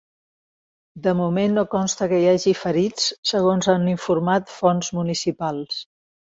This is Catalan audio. De moment no consta que hi hagi ferits, segons han informat fonts municipals.